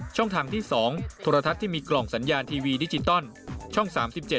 ช่องทางที่๒โทรทัศน์ที่มีกล่องสัญญาณทีวีดิจิตอลช่อง๓๗